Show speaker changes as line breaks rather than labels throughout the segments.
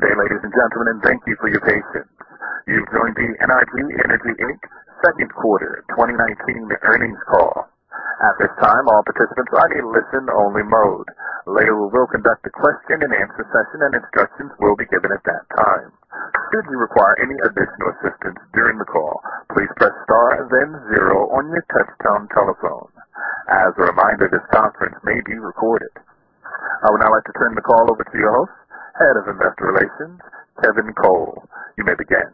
Good day, ladies and gentlemen. Thank you for your patience. You've joined the NRG Energy, Inc.'s second quarter 2019 earnings call. At this time, all participants are in listen-only mode. Later, we will conduct a question-and-answer session, and instructions will be given at that time. Should you require any additional assistance during the call, please press star then zero on your touchtone telephone. As a reminder, this conference may be recorded. I would now like to turn the call over to your host, Head of Investor Relations, Kevin Cole. You may begin.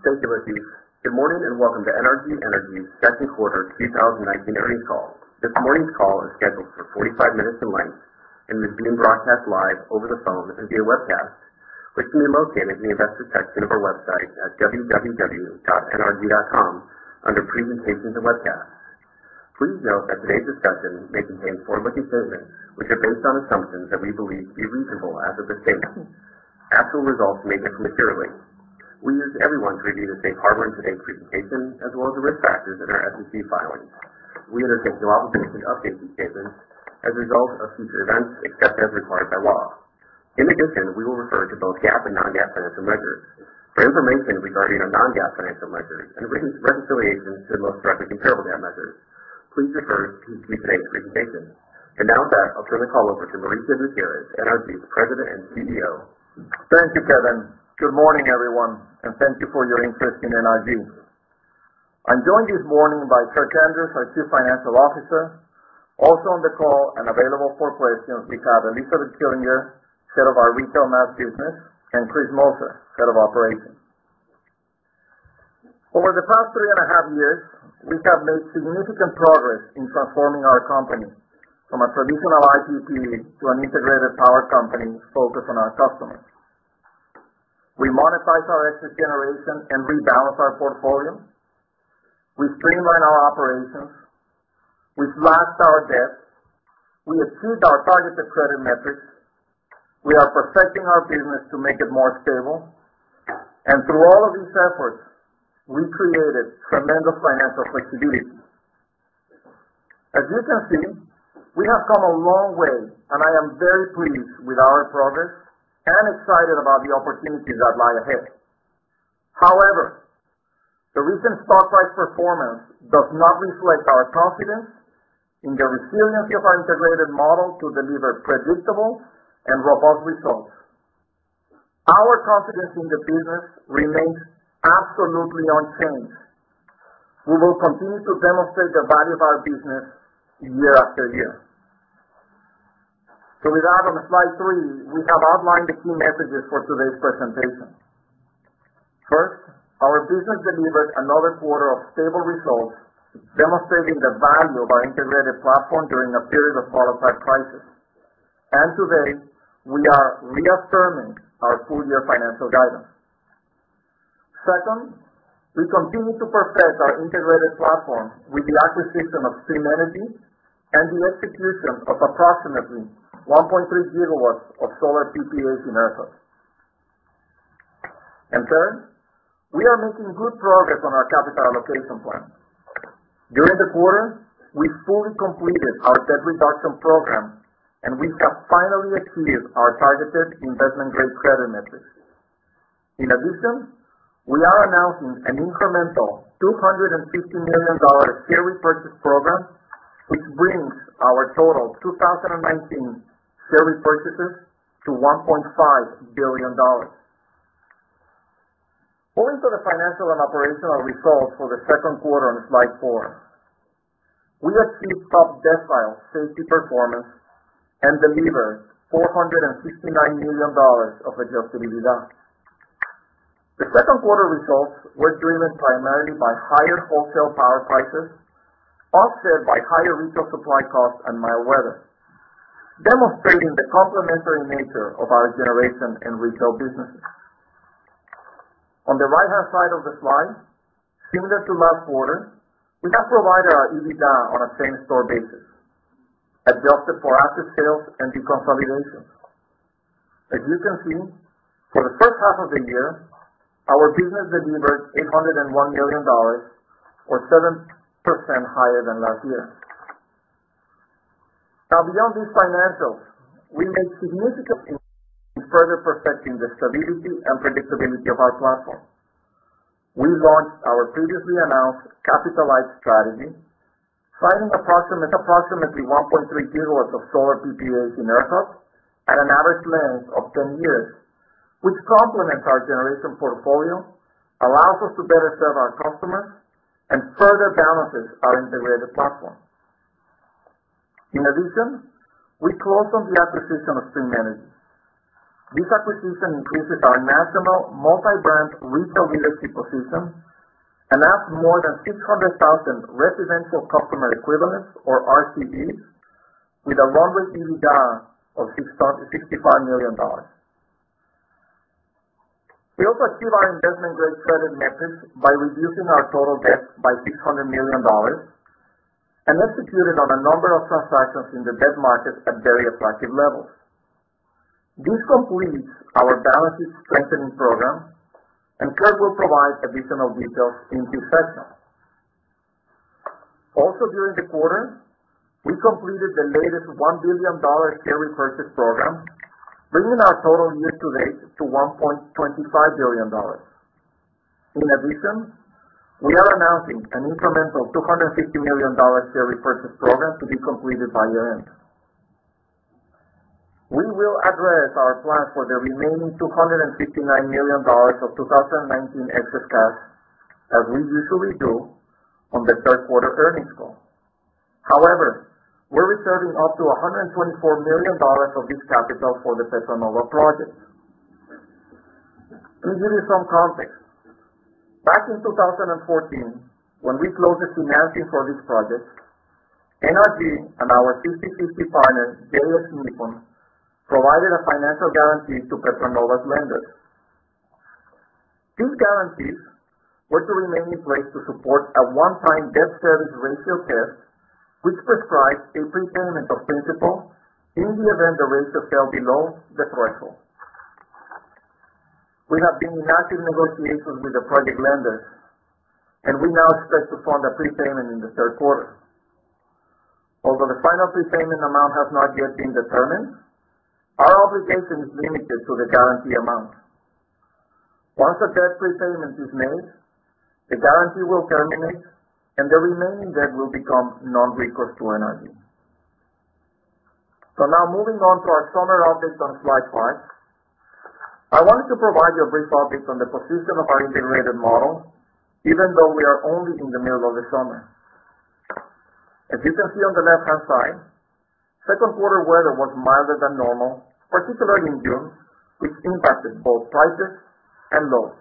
Thank you, Operator. Good morning and welcome to NRG Energy's second quarter 2019 earnings call. This morning's call is scheduled for 45 minutes in length and is being broadcast live over the phone and via webcast, which can be located in the Investor section of our website at www.nrg.com under Presentations and Webcasts. Please note that today's discussion may contain forward-looking statements, which are based on assumptions that we believe to be reasonable as of this taping. Actual results may differ materially. We urge everyone to review the safe harbor in today's presentation, as well as the risk factors in our SEC filings. We undertake no obligation to update these statements as a result of future events, except as required by law. We will refer to both GAAP and non-GAAP financial measures. For information regarding our non-GAAP financial measures and reconciliation to the most directly comparable GAAP measures, please refer to today's presentation. Now with that, I'll turn the call over to Mauricio Gutierrez, NRG's President and CEO.
Thank you, Kevin. Good morning, everyone, thank you for your interest in NRG. I'm joined this morning by Kirk Andrews, our Chief Financial Officer. Also on the call and available for questions, we have Elizabeth Killinger, Head of our Retail Mass Business, and Chris Moser, Head of Operations. Over the past three and a half years, we have made significant progress in transforming our company from a traditional IPP to an integrated power company focused on our customers. We monetized our excess generation and rebalanced our portfolio. We streamlined our operations. We slashed our debt. We achieved our targeted credit metrics. We are perfecting our business to make it more stable. Through all of these efforts, we created tremendous financial flexibility. As you can see, we have come a long way, and I am very pleased with our progress and excited about the opportunities that lie ahead. However, the recent stock price performance does not reflect our confidence in the resiliency of our integrated model to deliver predictable and robust results. Our confidence in the business remains absolutely unchanged. We will continue to demonstrate the value of our business year after year. With that, on slide three, we have outlined the key messages for today's presentation. First, our business delivered another quarter of stable results, demonstrating the value of our integrated platform during a period of qualified crisis. Today, we are reaffirming our full-year financial guidance. Second, we continue to perfect our integrated platform with the acquisition of Stream Energy and the execution of approximately 1.3 GW of solar PPAs in ERCOT. Third, we are making good progress on our capital allocation plan. During the quarter, we fully completed our debt reduction program, and we have finally achieved our targeted investment-grade credit metrics. In addition, we are announcing an incremental $250 million share repurchase program, which brings our total 2019 share repurchases to $1.5 billion. Going to the financial and operational results for the second quarter on slide four. We achieved top decile safety performance and delivered $459 million of adjusted EBITDA. The second quarter results were driven primarily by higher wholesale power prices, offset by higher retail supply costs and mild weather, demonstrating the complementary nature of our generation and retail businesses. On the right-hand side of the slide, similar to last quarter, we have provided our EBITDA on a same-store basis, adjusted for asset sales and deconsolidations. As you can see, for the first half of the year, our business delivered $801 million or 7% higher than last year. Beyond these financials, we made significant in further perfecting the stability and predictability of our platform. We launched our previously announced capital-light strategy, signing approximately 1.3 GW of solar PPAs in ERCOT at an average length of 10 years, which complements our generation portfolio, allows us to better serve our customers, and further balances our integrated platform. In addition, we closed on the acquisition of Stream Energy. This acquisition increases our national multi-brand retail dealership ecosystem and adds more than 600,000 residential customer equivalents, or RCE, with a run-rate EBITDA of $65 million. We also achieved our investment-grade credit metrics by reducing our total debt by $600 million and have secured it on a number of transactions in the debt market at very attractive levels. This completes our balances strengthening program. Kirk will provide additional details in due session. Also during the quarter, we completed the latest $1 billion share repurchase program, bringing our total year to date to $1.25 billion. In addition, we are announcing an incremental $250 million share repurchase program to be completed by year-end. We will address our plan for the remaining $259 million of 2019 excess cash, as we usually do on the third quarter earnings call. However, we're reserving up to $124 million of this capital for the Petra Nova project. To give you some context, back in 2014, when we closed the financing for this project, NRG and our 50/50 partner, JX Nippon, provided a financial guarantee to Petra Nova's lenders. These guarantees were to remain in place to support a one-time debt service ratio test, which prescribed a prepayment of principal in the event the ratio fell below the threshold. We have been in active negotiations with the project lenders, and we now expect to fund a prepayment in the third quarter. Although the final prepayment amount has not yet been determined, our obligation is limited to the guarantee amount. Once the debt prepayment is made, the guarantee will terminate, and the remaining debt will become non-recourse to NRG. Now moving on to our summer update on slide five. I wanted to provide you a brief update on the position of our integrated model, even though we are only in the middle of the summer. As you can see on the left-hand side, second quarter weather was milder than normal, particularly in June, which impacted both prices and loads.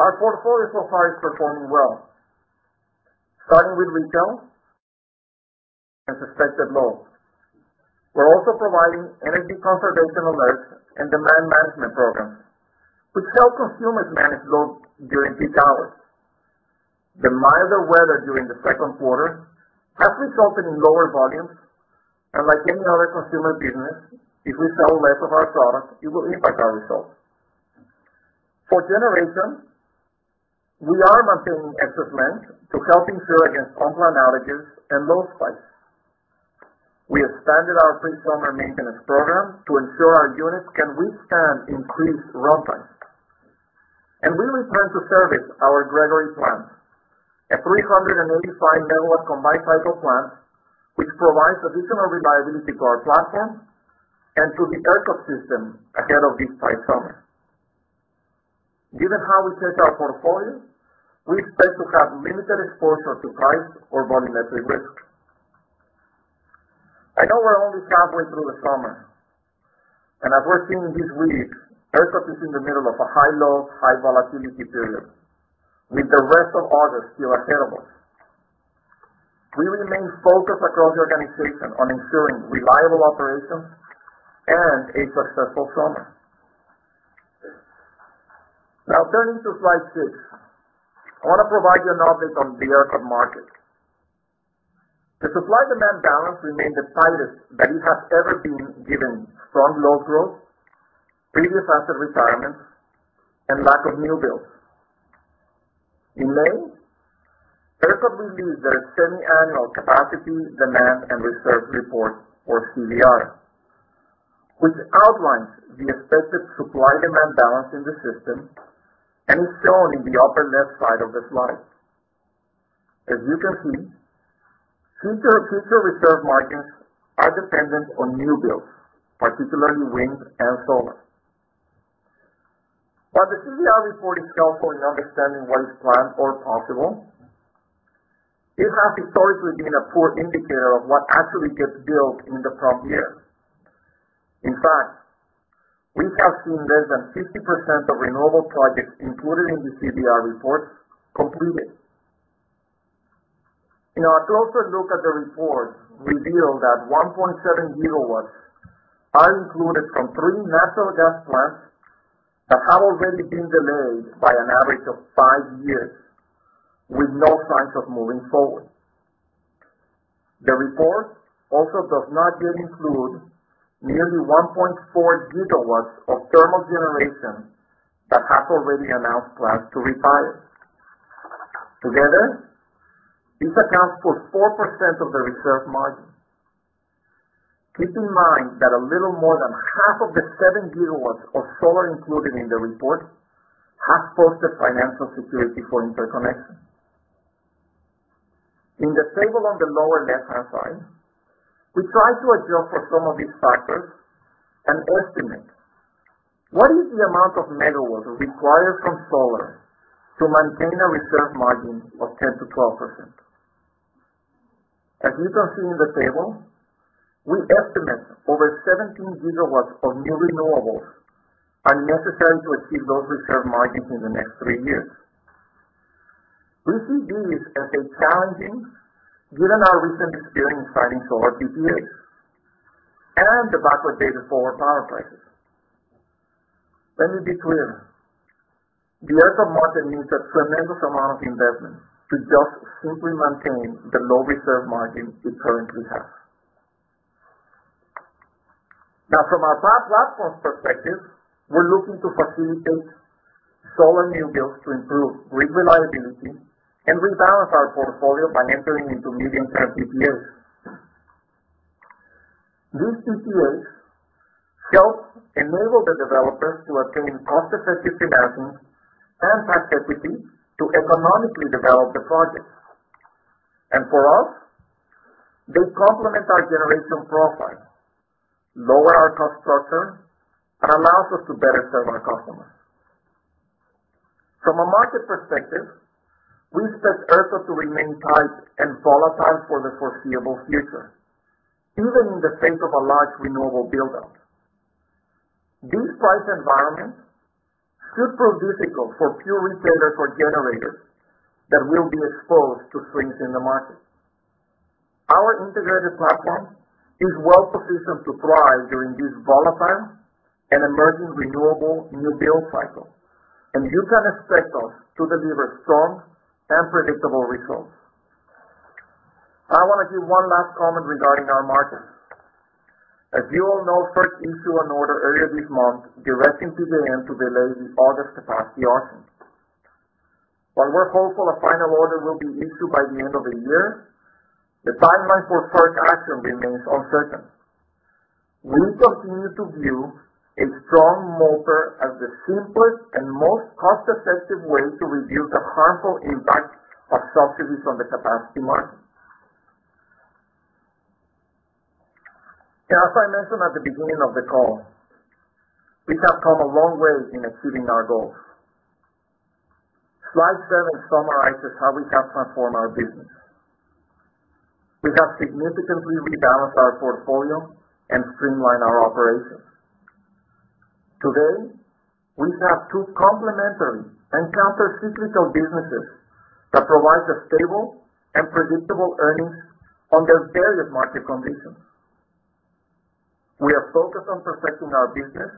Our portfolio so far is performing well. Starting with retail, and suspected lows. We're also providing energy conservation alerts and demand management programs, which help consumers manage loads during peak hours. The milder weather during the second quarter has resulted in lower volumes. Like any other consumer business, if we sell less of our product, it will impact our results. For generation, we are maintaining excess length to help insure against online outages and low spikes. We expanded our pre-summer maintenance program to ensure our units can withstand increased runtimes. We will plan to service our Gregory plant, a 385-megawatt combined cycle plant, which provides additional reliability to our platform and to the ERCOT system ahead of this tight summer. Given how we hedge our portfolio, we expect to have limited exposure to price or volumetric risk. I know we're only halfway through the summer, and as we're seeing these weeks, ERCOT is in the middle of a high load, high volatility period, with the rest of August still ahead of us. We remain focused across the organization on ensuring reliable operations and a successful summer. Turning to slide six. I want to provide you an update on the ERCOT market. The supply-demand balance remains the tightest that it has ever been, given strong load growth, previous asset retirements, and lack of new builds. In May, ERCOT released their semi-annual Capacity Demand and Reserve report or CDR, which outlines the expected supply-demand balance in the system and is shown in the upper left side of the slide. As you can see, future reserve margins are dependent on new builds, particularly wind and solar. While the CDR report is helpful in understanding what is planned or possible, it has historically been a poor indicator of what actually gets built in the prompt year. In fact, we have seen less than 50% of renewable projects included in the CDR reports completed. A closer look at the report revealed that 1.7 GW are included from three natural gas plants that have already been delayed by an average of five years with no signs of moving forward. The report also does not yet include nearly 1.4 GW of thermal generation that has already announced plans to retire. Together, this accounts for 4% of the reserve margin. Keep in mind that a little more than half of the 7 GW of solar included in the report has posted financial security for interconnection. In the table on the lower left-hand side, we try to adjust for some of these factors and estimate what is the amount of megawatts required from solar to maintain a reserve margin of 10%-12%. As you can see in the table, we estimate over 17 GW of new renewables are necessary to achieve those reserve margins in the next three years. We see this as a challenging, given our recent experience signing solar PPAs, and the backward date of forward power prices. Let me be clear. The ERCOT margin needs a tremendous amount of investment to just simply maintain the low reserve margin we currently have. Now from our platform perspective, we're looking to facilitate solar new builds to improve grid reliability and rebalance our portfolio by entering into medium-term PPAs. These PPAs help enable the developers to attain cost-effective financing and tax equity to economically develop the projects. For us, they complement our generation profile, lower our cost structure, and allows us to better serve our customers. From a market perspective, we expect ERCOT to remain tight and volatile for the foreseeable future, even in the face of a large renewable build-out. These price environments should prove difficult for pure retailers or generators that will be exposed to swings in the market. Our integrated platform is well-positioned to thrive during this volatile and emerging renewable new build cycle, and you can expect us to deliver strong and predictable results. I want to give one last comment regarding our markets. As you all know, FERC issued an order earlier this month directing PJM to delay the August capacity auction. While we're hopeful a final order will be issued by the end of the year, the timeline for FERC action remains uncertain. We continue to view a strong MOPR as the simplest and most cost-effective way to reduce the harmful impact of subsidies on the capacity market. As I mentioned at the beginning of the call, we have come a long way in achieving our goals. Slide seven summarizes how we have transformed our business. We have significantly rebalanced our portfolio and streamlined our operations. Today, we have two complementary and counter-cyclical businesses that provide us stable and predictable earnings under various market conditions. We are focused on perfecting our business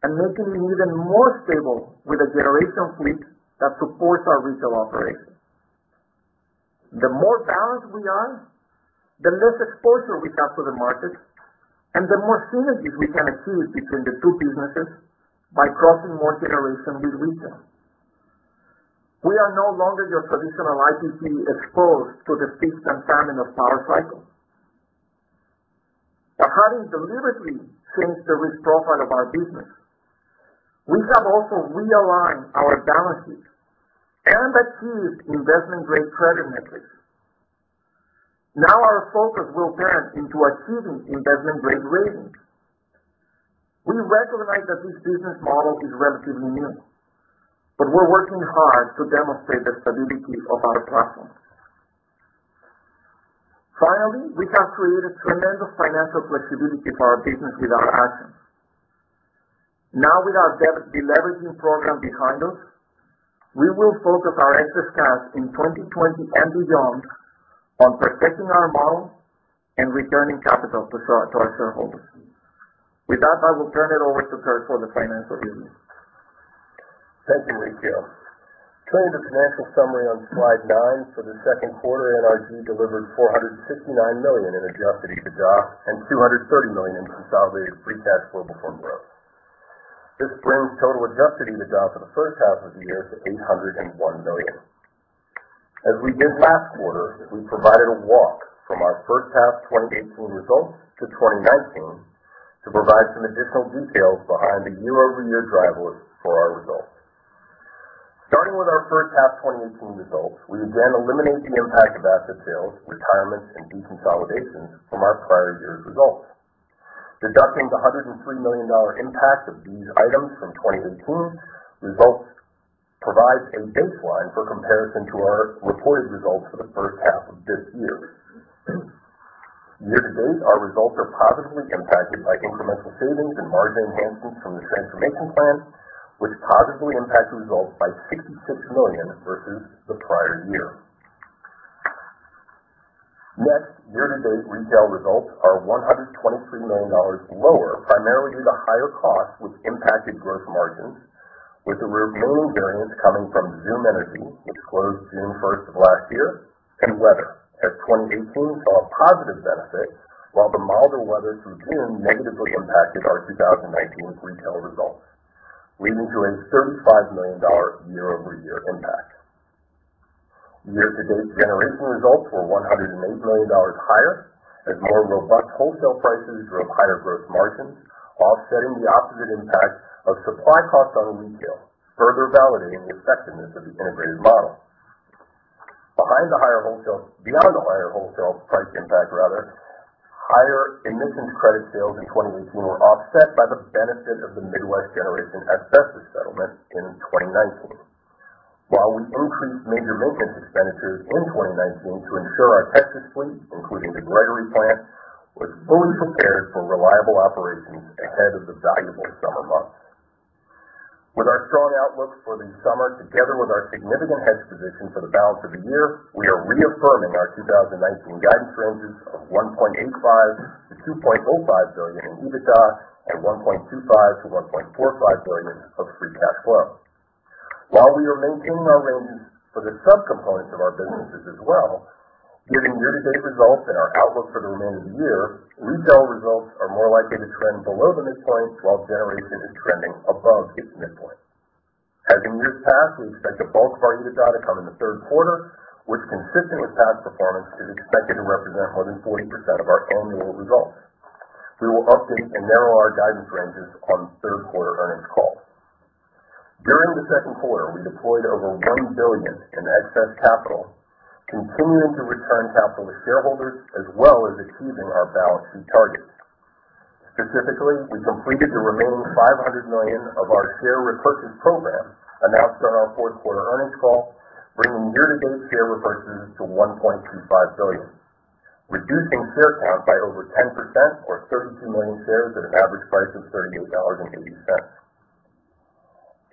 and making it even more stable with a generation fleet that supports our retail operations. The more balanced we are, the less exposure we have to the market, and the more synergies we can achieve between the two businesses by crossing more generation with retail. We are no longer your traditional IPP exposed to the feast and famine of power cycle. By deliberately changing the risk profile of our business, we have also realigned our balance sheet and achieved investment-grade credit metrics. Our focus will turn into achieving investment-grade ratings. We recognize that this business model is relatively new, we're working hard to demonstrate the stability of our platform. Finally, we have created tremendous financial flexibility for our business with our actions. With our debt deleveraging program behind us, we will focus our excess cash in 2020 and beyond on perfecting our model and returning capital to our shareholders. With that, I will turn it over to Kirk for the financial review.
Thank you, Mauricio. Turning to financial summary on slide nine, for the second quarter, NRG delivered $469 million in adjusted EBITDA and $230 million in consolidated free cash flow before growth. This brings total adjusted EBITDA for the first half of the year to $801 million. As we did last quarter, we provided a walk from our first half 2018 results to 2019 to provide some additional details behind the year-over-year drivers for our results. Starting with our first half 2018 results, we again eliminate the impact of asset sales, retirements, and deconsolidations from our prior year's results. Deducting the $103 million impact of these items from 2018 results provides a baseline for comparison to our reported results for the first half of this year. Year to date, our results are positively impacted by incremental savings and margin enhancements from the transformation plan, which positively impacted results by $66 million versus the prior year. Next, year to date retail results are $123 million lower, primarily due to higher costs, which impacted gross margins, with the remaining variance coming from XOOM Energy, which closed June 1st of last year, and weather, as 2018 saw a positive benefit, while the milder weather from XOOM negatively impacted our 2019 retail results, leading to a $35 million year-over-year impact. Year to date generation results were $108 million higher as more robust wholesale prices drove higher gross margins, offsetting the opposite impact of supply costs on retail, further validating the effectiveness of the integrated model. Beyond the higher wholesale price impact, higher emissions credit sales in 2018 were offset by the benefit of the Midwest Generation asbestos settlement in 2019. While we increased major maintenance expenditures in 2019 to ensure our Texas fleet, including the Gregory plant, was fully prepared for reliable operations ahead of the valuable summer months. With our strong outlook for the summer, together with our significant hedge position for the balance of the year, we are reaffirming our 2019 guidance ranges of $1.85 billion-$2.05 billion in EBITDA and $1.25 billion-$1.45 billion of free cash flow. While we are maintaining our ranges for the subcomponents of our businesses as well, given year-to-date results and our outlook for the remainder of the year, retail results are more likely to trend below the midpoint, while generation is trending above its midpoint. As in years past, we expect the bulk of our EBITDA to come in the third quarter, which consistent with past performance, is expected to represent more than 40% of our annual results. We will update and narrow our guidance ranges on third quarter earnings call. During the second quarter, we deployed over $1 billion in excess capital, continuing to return capital to shareholders, as well as achieving our balance sheet targets. Specifically, we completed the remaining $500 million of our share repurchase program announced on our fourth quarter earnings call, bringing year-to-date share repurchases to $1.25 billion, reducing share count by over 10% or 32 million shares at an average price of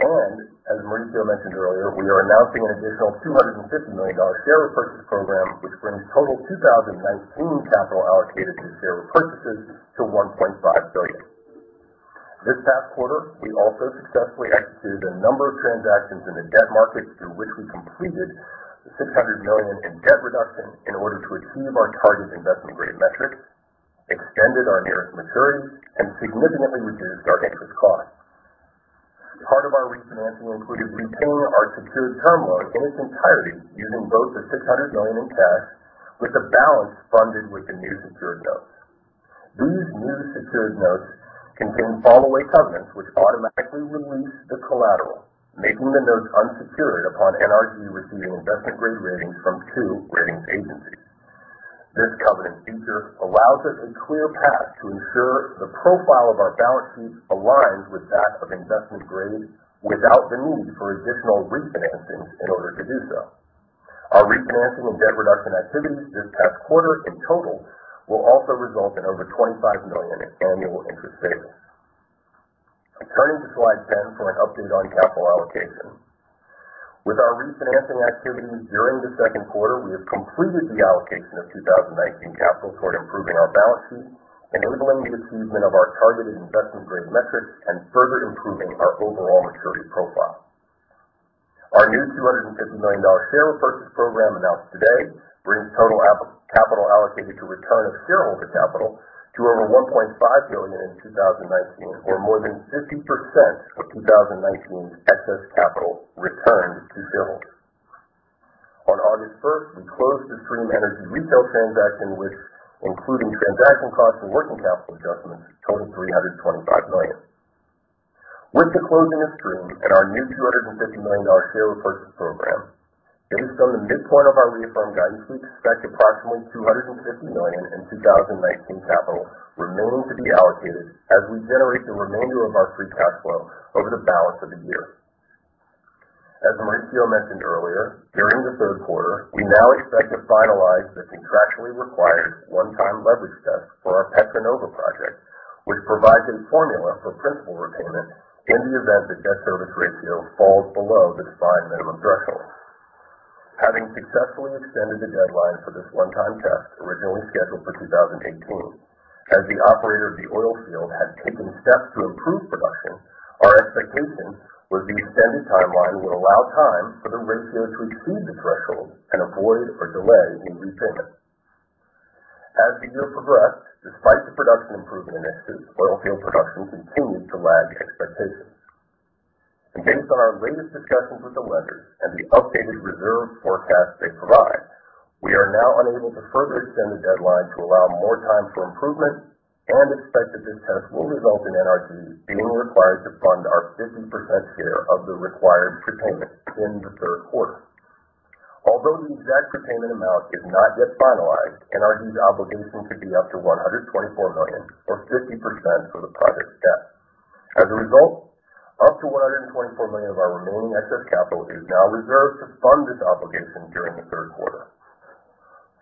$38.80. As Mauricio mentioned earlier, we are announcing an additional $250 million share repurchase program, which brings total 2019 capital allocated to share repurchases to $1.5 billion. This past quarter, we also successfully executed a number of transactions in the debt market through which we completed the $600 million in debt reduction in order to achieve our target investment-grade metrics, extended our nearest maturity, and significantly reduced our interest costs. Part of our refinancing included repaying our secured term loan in its entirety using both the $600 million in cash, with the balance funded with the new secured notes. These new secured notes contain fallaway covenants, which automatically release the collateral, making the notes unsecured upon NRG receiving investment-grade ratings from two ratings agencies. This covenant feature allows us a clear path to ensure the profile of our balance sheet aligns with that of investment grade without the need for additional refinancings in order to do so. Our refinancing and debt reduction activities this past quarter in total, will also result in over $25 million annual interest savings. Turning to slide 10 for an update on capital allocation. With our refinancing activities during the second quarter, we have completed the allocation of 2019 capital toward improving our balance sheet, enabling the achievement of our targeted investment-grade metrics, and further improving our overall maturity profile. Our new $250 million share repurchase program announced today brings total capital allocated to return of shareholder capital to over $1.5 billion in 2019, or more than 50% of 2019's excess capital returned to shareholders. On August first, we closed the Stream Energy retail transaction, which including transaction costs and working capital adjustments, totaled $325 million. With the closing of Stream and our new $250 million share repurchase program, based on the midpoint of our reaffirmed guidance, we expect approximately $250 million in 2019 capital remaining to be allocated as we generate the remainder of our free cash flow over the balance of the year. As Mauricio mentioned earlier, during the third quarter, we now expect to finalize the contractually required one-time leverage test for our Petra Nova project, which provides a formula for principal repayment in the event the debt service ratio falls below the defined minimum threshold. Having successfully extended the deadline for this one-time test, originally scheduled for 2018, as the operator of the oil field had taken steps to improve production, our expectation was the extended timeline would allow time for the ratio to exceed the threshold and avoid or delay any repayment. As the year progressed, despite the production improvement, oil field production continued to lag expectations. Based on our latest discussions with the lenders and the updated reserve forecast they provide, we are now unable to further extend the deadline to allow more time for improvement and expect that this test will result in NRG being required to fund our 50% share of the required prepayment in the third quarter. The exact prepayment amount is not yet finalized, NRG's obligation could be up to $124 million, or 50% of the project's debt. Up to $124 million of our remaining excess capital is now reserved to fund this obligation during the third quarter.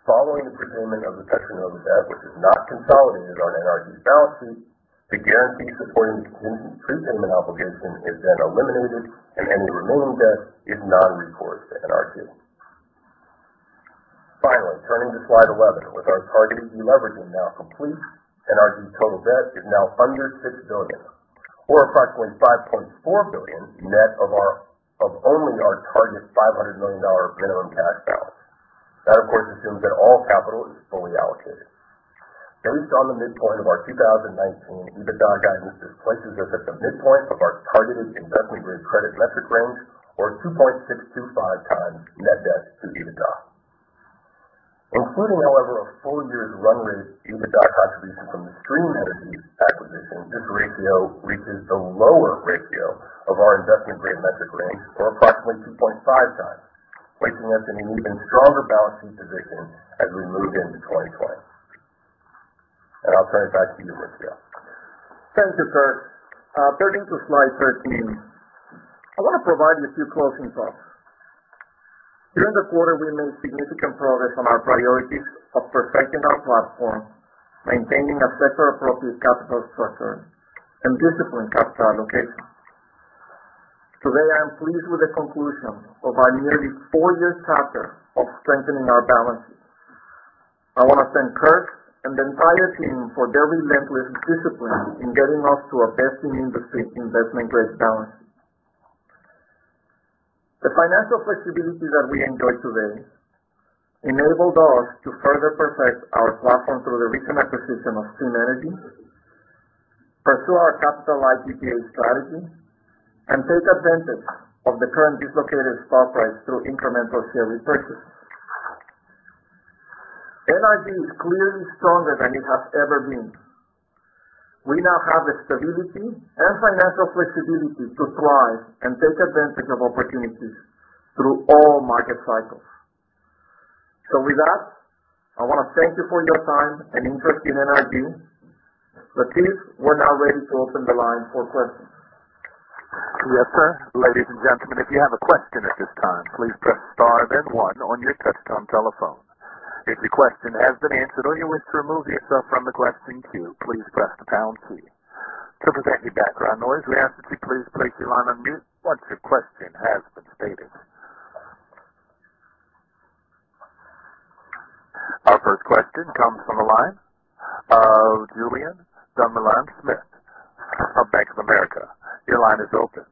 Following the prepayment of the Petra Nova debt, which is not consolidated on NRG's balance sheet, the guarantee supporting the contingent prepayment obligation is then eliminated, and any remaining debt is non-recourse to NRG. Finally, turning to slide 11. With our targeted deleveraging now complete, NRG's total debt is now under $6 billion, or approximately $5.4 billion net of only our target $500 million minimum cash balance. That, of course, assumes that all capital is fully allocated. Based on the midpoint of our 2019 EBITDA guidance, this places us at the midpoint of our targeted investment-grade credit metric range, or 2.625 times net debt to EBITDA. Including, however, a full year's run rate EBITDA contribution from the Stream Energy acquisition, this ratio reaches the lower ratio of our investment-grade metric range, or approximately 2.5x, placing us in an even stronger balance sheet position as we move into 2020. I'll turn it back to you, Mauricio.
Thank you, Kirk. Turning to slide 13, I want to provide a few closing thoughts. During the quarter, we made significant progress on our priorities of perfecting our platform, maintaining a sector-appropriate capital structure, and disciplined capital allocation. Today, I am pleased with the conclusion of our nearly four-year chapter of strengthening our balance sheet. I want to thank Kirk and the entire team for their relentless discipline in getting us to a best-in-industry investment grade balance. The financial flexibility that we enjoy today enabled us to further perfect our platform through the recent acquisition of Stream Energy, pursue our capital-light PPA strategy, and take advantage of the current dislocated stock price through incremental share repurchase. NRG is clearly stronger than it has ever been. We now have the stability and financial flexibility to thrive and take advantage of opportunities through all market cycles. With that, I want to thank you for your time and interest in NRG. Latif, we're now ready to open the line for questions.
Yes, sir. Ladies and gentlemen, if you have a question at this time, please press star then one on your touchtone telephone. If your question has been answered or you wish to remove yourself from the questioning queue, please press the pound key. To prevent any background noise, we ask that you please place your line on mute once your question has been stated. Our first question comes from the line of Julien Dumoulin-Smith from Bank of America. Your line is open.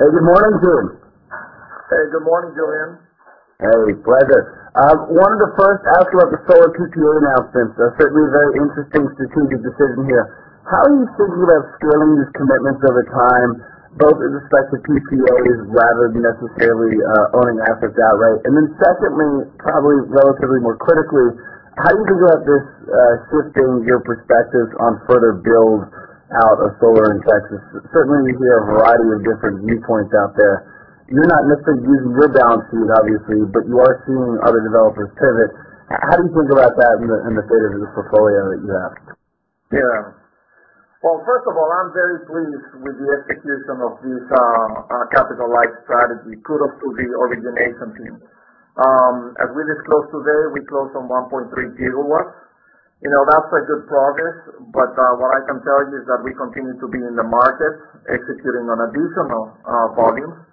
Hey, good morning, Jim.
Hey, good morning, Julien.
Hey, pleasure. I wanted to first ask you about the solar PPA announcement. A certainly very interesting strategic decision here. How are you thinking about scaling these commitments over time, both with respect to PPAs rather than necessarily owning the assets outright? Secondly, probably relatively more critically, how do you think about this shifting your perspectives on further build-out of solar in Texas? Certainly, we hear a variety of different viewpoints out there. You're not necessarily, you're downstream, obviously, but you are seeing other developers pivot. How do you think about that in the state of the portfolio that you have?
Yeah. Well, first of all, I'm very pleased with the execution of this capital-light strategy. Kudos to the origination team. As we disclosed today, we closed on 1.3 GW. That's a good progress, but what I can tell you is that we continue to be in the market executing on additional volume.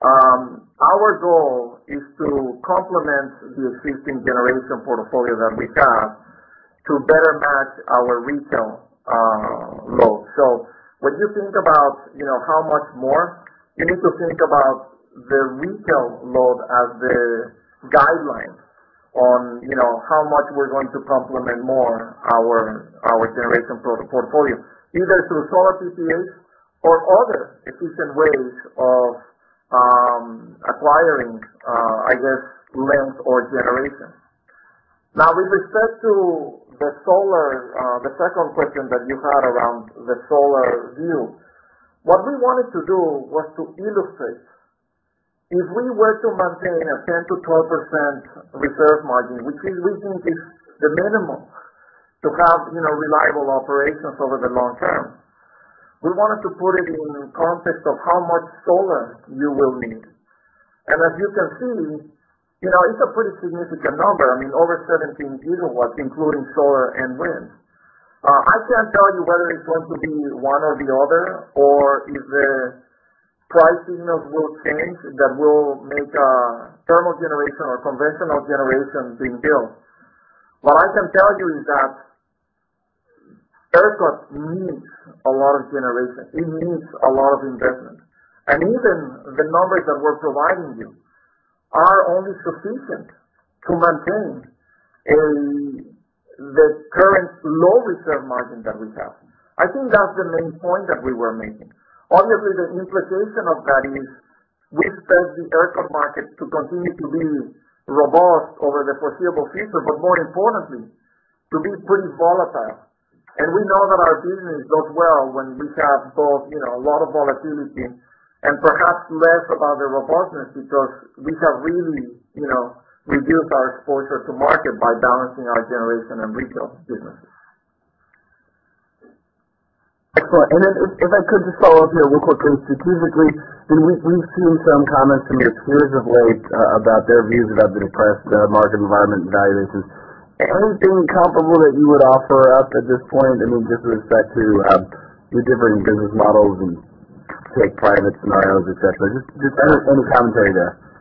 Our goal is to complement the existing generation portfolio that we have to better match our retail load. When you think about how much more, you need to think about the retail load as the guideline on how much we're going to complement more our generation portfolio, either through solar PPAs or other efficient ways of acquiring, I guess, length or generation. With respect to the second question that you had around the solar view. What we wanted to do was to illustrate, if we were to maintain a 10%-12% reserve margin, which we think is the minimum to have reliable operations over the long term, we wanted to put it in context of how much solar you will need. As you can see, it's a pretty significant number. I mean, over 17 GW, including solar and wind. I can't tell you whether it's going to be one or the other, or if the price signals will change that will make thermal generation or conventional generation being built. What I can tell you is that ERCOT needs a lot of generation. It needs a lot of investment. Even the numbers that we're providing you are only sufficient to maintain the current low reserve margin that we have. I think that's the main point that we were making. The implication of that is we expect the ERCOT market to continue to be robust over the foreseeable future, more importantly, to be pretty volatile. We know that our business does well when we have both a lot of volatility and perhaps less of other robustness because we have really reduced our exposure to market by balancing our generation and retail businesses.
Excellent. If I could just follow up here real quickly. Strategically, we've seen some comments from your peers of late about their views about the depressed market environment and valuations. Anything comparable that you would offer up at this point, I mean, just with respect to the differing business models and take private scenarios, et cetera, just any commentary there?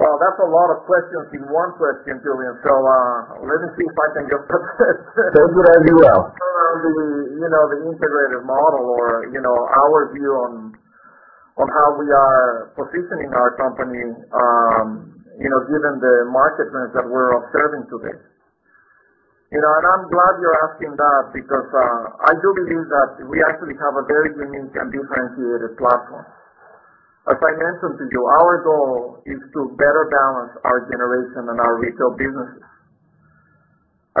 Well, that's a lot of questions in one question, Julien. Let me see if I can address.
Take it as you will.
the integrated model or our view on how we are positioning our company, given the market trends that we're observing today. I'm glad you're asking that because, I do believe that we actually have a very unique and differentiated platform. As I mentioned to you, our goal is to better balance our generation and our retail businesses.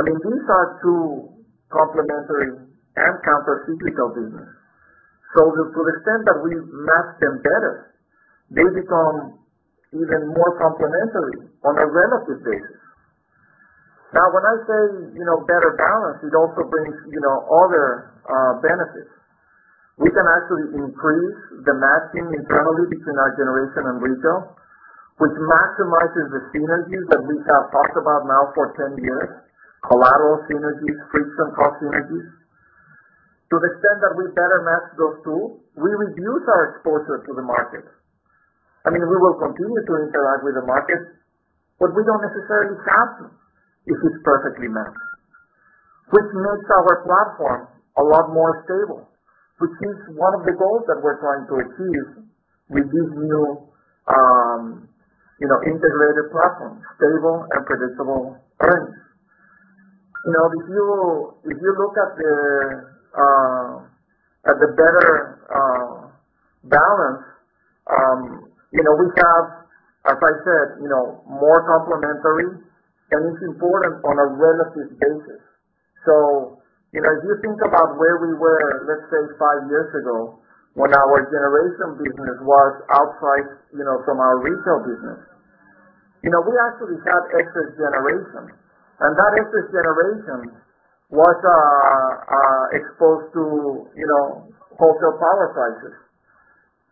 I mean, these are two complementary and countercyclical business. To the extent that we match them better, they become even more complementary on a relative basis. Now, when I say better balance, it also brings other benefits. We can actually increase the matching internally between our generation and retail, which maximizes the synergies that we have talked about now for 10 years. Collateral synergies, frequent synergies. To the extent that we better match those two, we reduce our exposure to the market. We will continue to interact with the market, but we don't necessarily have to if it's perfectly matched, which makes our platform a lot more stable, which is one of the goals that we're trying to achieve with this new integrated platform, stable and predictable earnings. If you look at the better balance, we have, as I said, more complementary, and it's important on a relative basis. If you think about where we were, let's say, five years ago, when our generation business was outright from our retail business. We actually had excess generation, and that excess generation was exposed to wholesale power prices.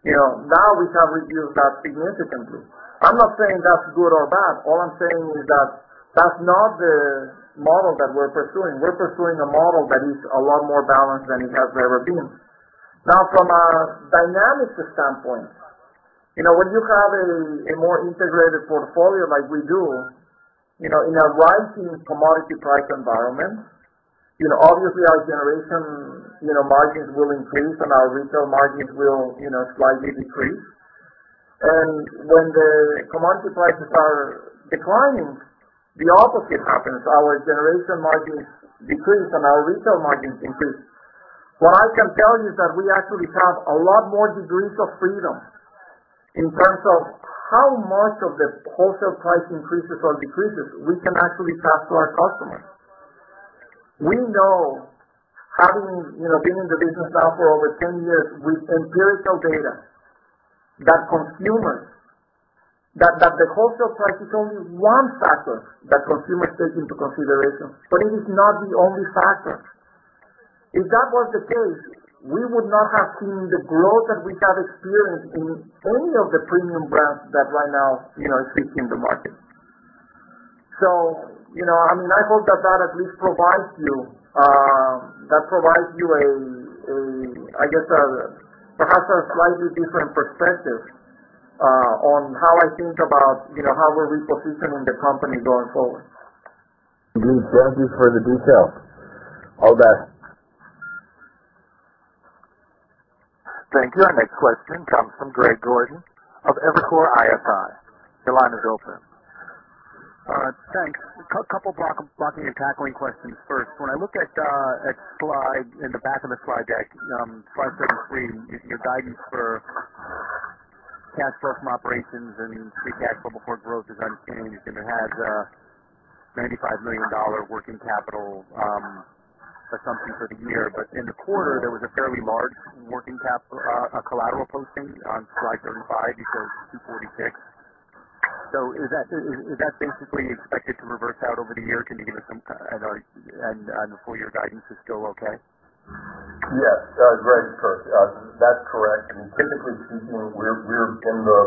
Now we have reduced that significantly. I'm not saying that's good or bad. All I'm saying is that that's not the model that we're pursuing. We're pursuing a model that is a lot more balanced than it has ever been. Now, from a dynamics standpoint, when you have a more integrated portfolio like we do, in a rising commodity price environment, obviously our generation margins will increase, and our retail margins will slightly decrease. When the commodity prices are declining, the opposite happens. Our generation margins decrease, and our retail margins increase. What I can tell you is that we actually have a lot more degrees of freedom in terms of how much of the wholesale price increases or decreases we can actually pass to our customers. We know, having been in the business now for over 10 years, with empirical data, that the wholesale price is only one factor that consumers take into consideration, but it is not the only factor. If that was the case, we would not have seen the growth that we have experienced in any of the premium brands that right now are sitting in the market. I hope that provides you, I guess, perhaps a slightly different perspective on how I think about how we're repositioning the company going forward.
Indeed. Thank you for the detail. All the best.
Thank you. Our next question comes from Greg Gordon of Evercore ISI. Your line is open.
Thanks. Couple blocking and tackling questions first. When I look at slide, in the back of the slide deck, slide 73, your guidance for cash flow from operations and free cash flow before growth is understanding you're going to have a $95 million working capital assumption for the year. In the quarter, there was a fairly large working capital, collateral posting on slide 75, you showed $246. Is that basically expected to reverse out over the year? Can you give us some kind, and the full year guidance is still okay?
Yes. Greg, sure. That's correct. I mean, physically speaking, we're in the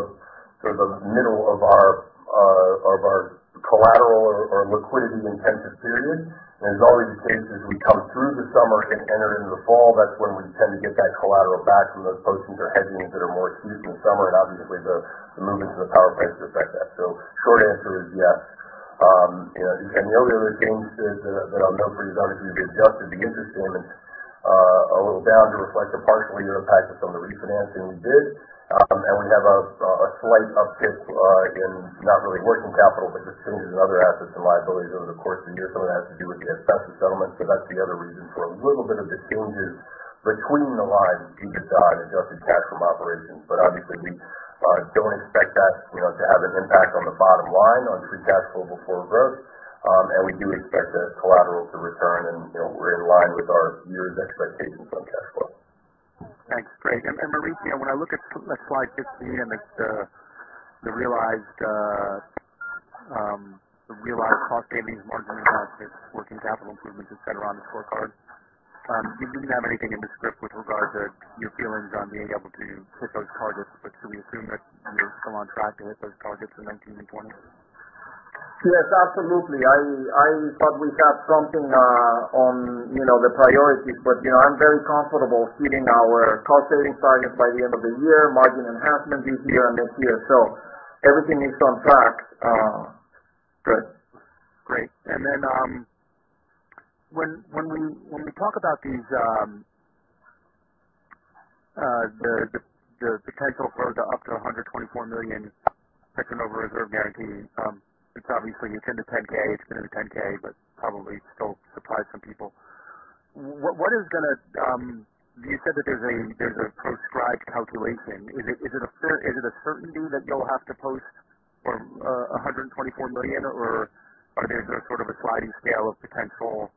sort of middle of our collateral or liquidity-intensive period. As is always the case, as we come through the summer and enter into the fall, that's when we tend to get that collateral back from those postings or hedgings that are more acute in the summer, and obviously the movements in the power price reflect that. Short answer is yes. The only other change to that I'll note for you is obviously we've adjusted the interest payments a little down to reflect the partial year impact of some of the refinancing we did. We have a slight uptick in not really working capital, but just changes in other assets and liabilities over the course of the year. Some of it has to do with the asbestos settlement. That's the other reason for a little bit of the changes between the lines between the adjusted cash from operations. Obviously we don't expect that to have an impact on the bottom line on free cash flow before growth. We do expect that collateral to return, and we're in line with our year's expectations on cash flow.
Thanks, Greg. Mauricio, when I look at slide 50 and the realized cost savings, margin enhancements, working capital improvements, et cetera, on the scorecard. You didn't have anything in the script with regard to your feelings on being able to hit those targets. Should we assume that you're still on track to hit those targets in 2019 and 2020?
Yes, absolutely. I thought we had something on the priorities, but I'm very comfortable hitting our cost-saving targets by the end of the year, margin enhancement this year and next year. Everything is on track, Greg.
Great. When we talk about the potential for the up to $124 million second over-reserve guarantee, it's obviously in the 10-K, probably still surprise some people. You said that there's a proscribed calculation. Is it a certainty that you'll have to post $124 million, or is there sort of a sliding scale of potential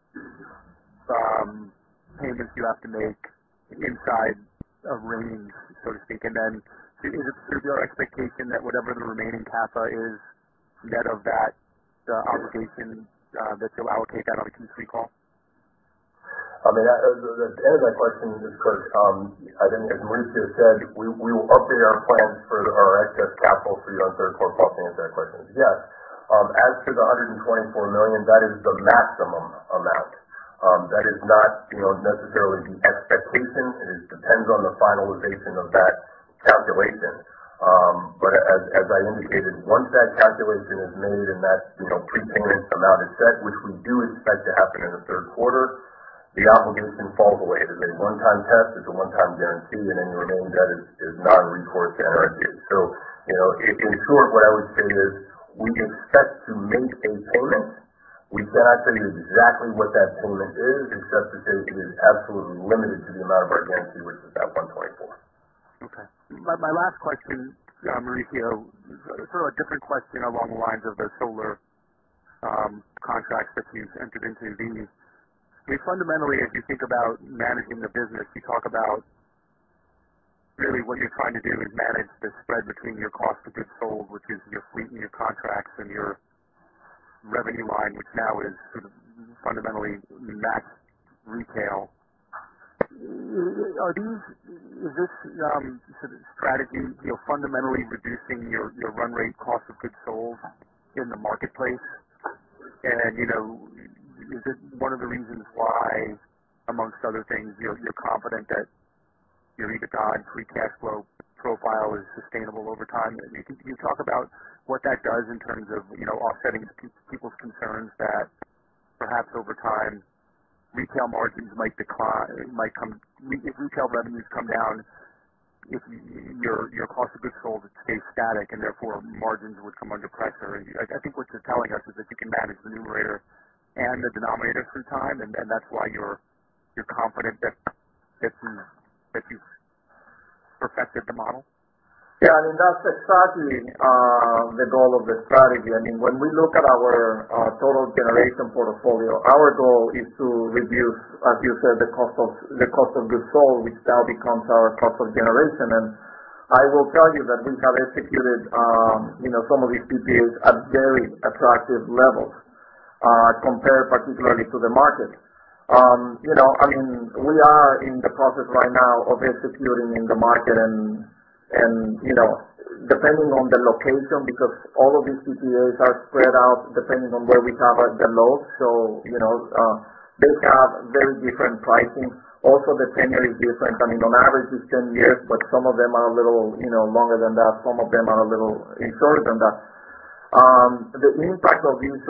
payments you have to make inside a range, so to speak? Is your expectation that whatever the remaining CAPA is, net of that obligation, that you'll allocate that on the Q3 call?
To add to that question, just quick. I think as Mauricio said, we will update our plans for our excess capital for you on third quarter call to answer that question. Yes. As for the $124 million, that is the maximum amount. That is not necessarily the expectation. It depends on the finalization of that calculation. As I indicated, once that calculation is made and that prepayment amount is set, which we do expect to happen in the third quarter, the obligation falls away. It is a one-time test. It's a one-time guarantee, and any remaining debt is non-recourse guarantee. In short, what I would say is, we expect to make a payment. We cannot tell you exactly what that payment is, except to say it is absolutely limited to the amount of our guarantee, which is that $124.
Okay. My last question, Mauricio. Sort of a different question along the lines of the solar contracts that you've entered into in Texas. I mean, fundamentally, if you think about managing the business, you talk about really what you're trying to do is manage the spread between your cost of goods sold, which is your fleet and your contracts, and your revenue line, which now is sort of fundamentally max retail. Is this sort of strategy fundamentally reducing your run rate cost of goods sold in the marketplace? Is it one of the reasons why, amongst other things, you're confident that your EBITDA and free cash flow profile is sustainable over time? Can you talk about what that does in terms of offsetting people's concerns that perhaps over time, retail margins might decline, if retail revenues come down, if your cost of goods sold stays static and therefore margins would come under pressure? I think what you're telling us is that you can manage the numerator and the denominator through time, and that's why you're confident that you've perfected the model.
Yeah. I mean, that's exactly the goal of the strategy. I mean, when we look at our total generation portfolio, our goal is to reduce, as you said, the cost of goods sold, which now becomes our cost of generation. I will tell you that we have executed some of these PPAs at very attractive levels, compared particularly to the market. We are in the process right now of executing in the market, and depending on the location, because all of these PPAs are spread out depending on where we have the loads. They have very different pricing. Also, the tenure is different. I mean, on average, it's 10 years, but some of them are a little longer than that. Some of them are a little shorter than that. The impact of these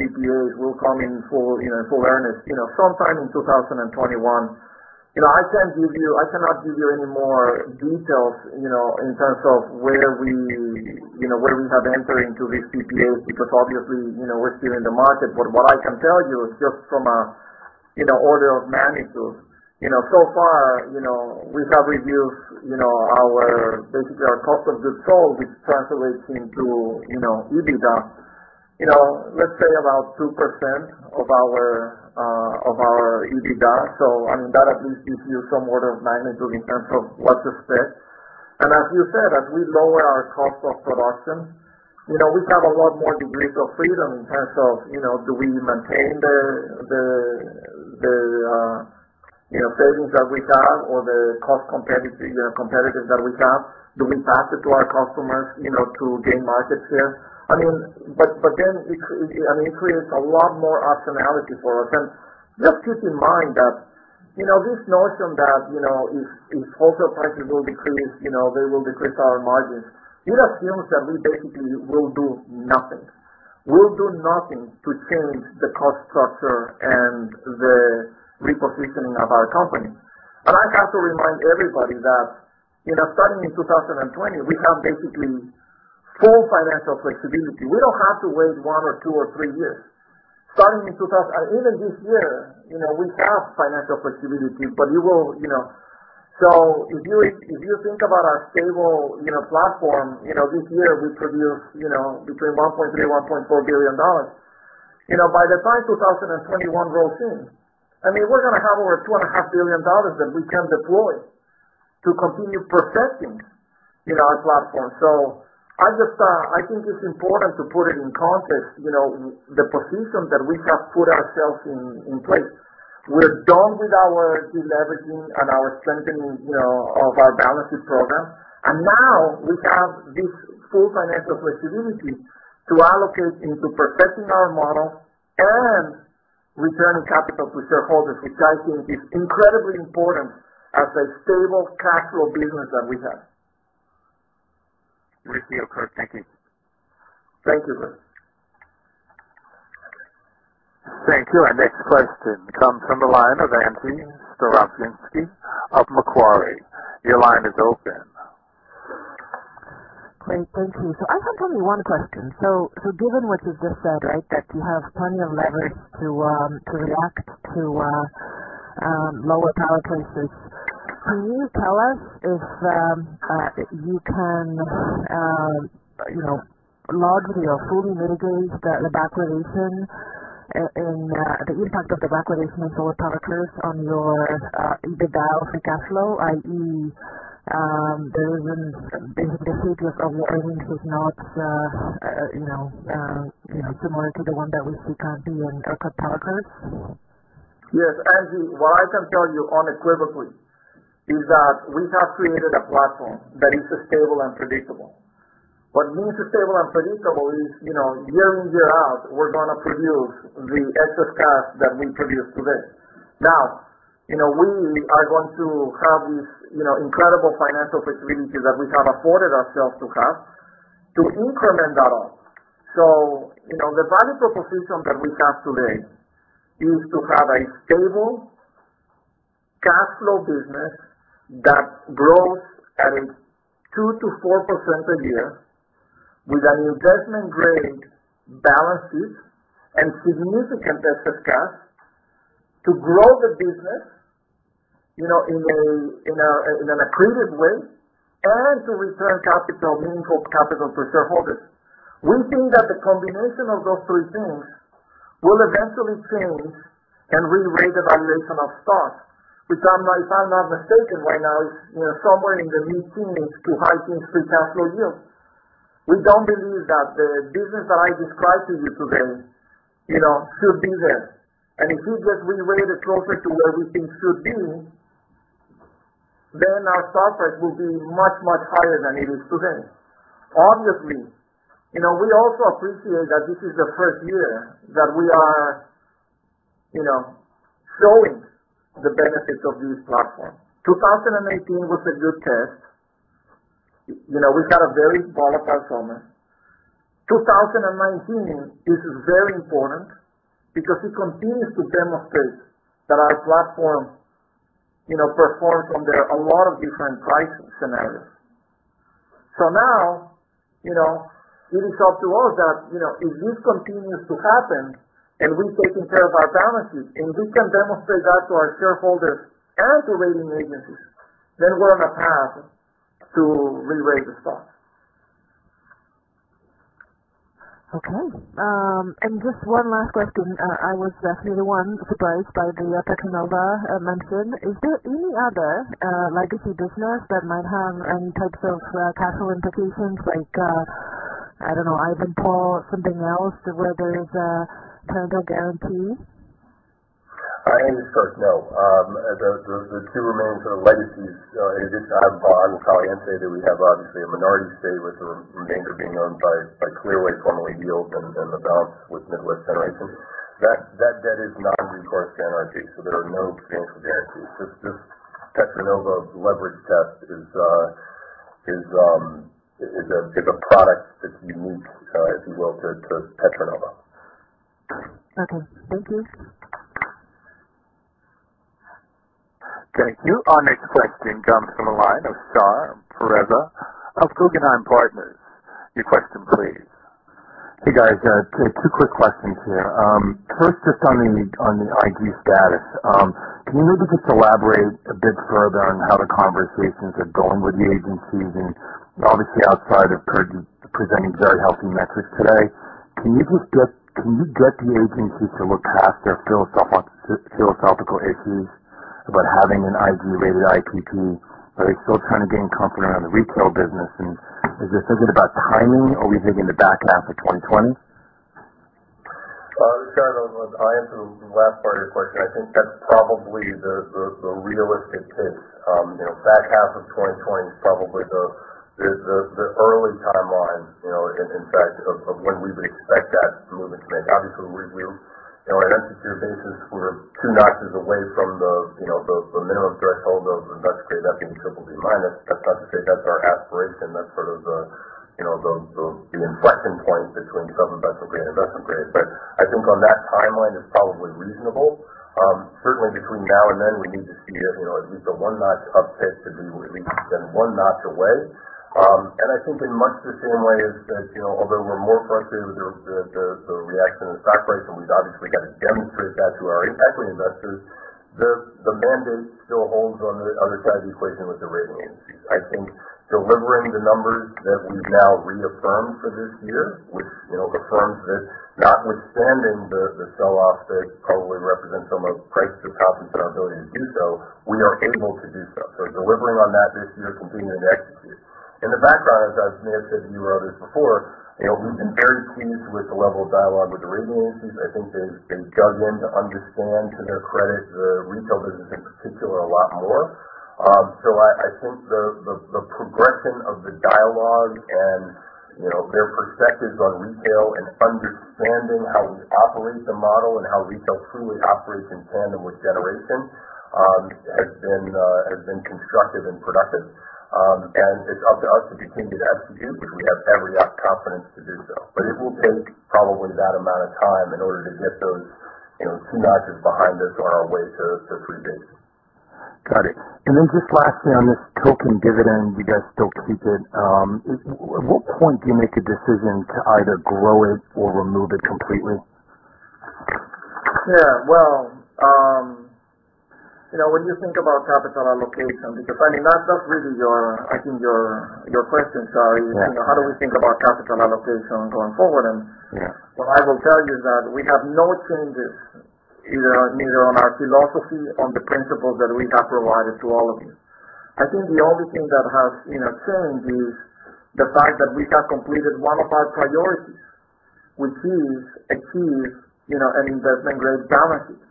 PPAs will come in full earnest, sometime in 2021. I cannot give you any more details, in terms of where we have entered into these PPAs, because obviously, we're still in the market. What I can tell you is just from a order of magnitude. Far, we have reduced basically our cost of goods sold, which translates into EBITDA. Let's say about 2% of our EBITDA. I mean, that at least gives you some order of magnitude in terms of what's at stake. As you said, as we lower our cost of production, we have a lot more degrees of freedom in terms of, do we maintain the savings that we have or the cost competitive that we have? Do we pass it to our customers to gain market share? It creates a lot more optionality for us. Just keep in mind this notion that if wholesale prices will decrease, they will decrease our margins. It assumes that we basically will do nothing. We'll do nothing to change the cost structure and the repositioning of our company. I have to remind everybody that starting in 2020, we have basically full financial flexibility. We don't have to wait one or two or three years. Even this year, we have financial flexibility. If you think about our stable platform, this year we produce between $1.3 billion-$1.4 billion. By the time 2021 rolls in, I mean, we're going to have over $2.5 billion that we can deploy to continue perfecting our platform. I think it's important to put it in context, the position that we have put ourselves in place. We're done with our deleveraging and our strengthening of our balances program. Now we have this full financial flexibility to allocate into perfecting our model and returning capital to shareholders, which I think is incredibly important as a stable cash flow business that we have.
Mauricio, thank you.
Thank you.
Thank you. Our next question comes from the line of Angie Storozynski of Macquarie. Your line is open.
Great. Thank you. I have only one question. Given what you just said, right, that you have plenty of leverage to react to lower power prices, can you tell us if you can largely or fully mitigate the degradation in the impact of the degradation of solar power curves on your EBITDA or free cash flow, i.e., the headroom is not similar to the one that we see currently in other power curves?
Yes, Angie, what I can tell you unequivocally is that we have created a platform that is sustainable and predictable. What means sustainable and predictable is, year in, year out, we're going to produce the excess cash that we produce today. We are going to have these incredible financial facilities that we have afforded ourselves to have to increment that up. The value proposition that we have today is to have a stable cash flow business that grows at a 2%-4% a year with investment-grade balances and significant excess cash to grow the business in an accretive way and to return meaningful capital to shareholders. We think that the combination of those three things will eventually change and re-rate a valuation of stock. Which, if I'm not mistaken right now, is somewhere in the mid-teens to high teens free cash flow yield. We don't believe that the business that I described to you today should be there. If we get re-rated closer to where we think should be, our stock price will be much, much higher than it is today. Obviously, we also appreciate that this is the first year that we are showing the benefits of this platform. 2018 was a good test. We had a very volatile summer. 2019 is very important because it continues to demonstrate that our platform performs under a lot of different pricing scenarios. Now, it is up to us that if this continues to happen, we've taken care of our balances, we can demonstrate that to our shareholders and to rating agencies, we're on a path to rerate the stock.
Okay. Just one last question. I was definitely one surprised by the Petra Nova mention. Is there any other legacy business that might have any types of capital implications like, I don't know, Ivanpah or something else where there is parental guarantees?
Angie, sorry. No. The two remaining legacies in addition to have bonds, Agua Caliente, that we have obviously a minority stake with the remainder being owned by Clearway, formerly Yield, and then the balance with Midwest Generation. That debt is non-recourse to NRG, so there are no parental guarantees. Just Petra Nova leverage debt is a product that's unique, if you will, to Petra Nova.
Okay. Thank you.
Thank you. Our next question comes from the line of Shahriar Pourreza of Guggenheim Partners. Your question please.
Hey, guys. Two quick questions here. Just on the IG status. Can you maybe just elaborate a bit further on how the conversations are going with the agencies? Obviously outside of presenting very healthy metrics today, can you get the agencies to look past their philosophical issues about having an IG-rated IPP? Are they still trying to gain confidence on the retail business, is this a bit about timing or we think in the back half of 2020?
Shahriar, I'll answer the last part of your question. I think that's probably the realistic pace. Back half of 2020 is probably the early timeline, in fact, of when we would expect that movement to make. Obviously, we're due. On a venture secure basis, we're two notches away from the minimum threshold of investment grade. That being triple B minus. That's not to say that's our aspiration. That's sort of the inflection point between sub-investment grade and investment grade. I think on that timeline is probably reasonable. Certainly, between now and then, we need to see at least a one-notch uptick to be at least then one notch away. I think in much the same way as that, although we're more frustrated with the reaction in the stock price, and we've obviously got to demonstrate that to our equity investors, the mandate still holds on the other side of the equation with the rating agencies. I think delivering the numbers that we've now reaffirmed for this year, which affirms that notwithstanding the sell-off that probably represents some of price discounting for our ability to do so, we are able to do so. Delivering on that this year, continuing to execute. In the background, as Samir said to you others before, we've been very pleased with the level of dialogue with the rating agencies. I think they've begun to understand, to their credit, the retail business in particular a lot more. I think the progression of the dialogue and their perspectives on retail and understanding how we operate the model and how retail truly operates in tandem with generation, has been constructive and productive. It's up to us to continue to execute, and we have every confidence to do so. It will take probably that amount of time in order to get those two notches behind us on our way to pre-base.
Got it. Then just lastly on this token dividend, you guys still keep it. At what point do you make a decision to either grow it or remove it completely?
Yeah. Well, when you think about capital allocation, because I mean, that's really I think your question, Shahriar, is how do we think about capital allocation going forward. I will tell you is that we have no changes either on our philosophy on the principles that we have provided to all of you. The only thing that has changed is the fact that we have completed one of our priorities. Which is achieve an investment grade balance sheet.